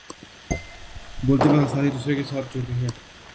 بولتے وقت الفاظ ایک دوسرے کے ساتھ جوڑ دیتا ہوں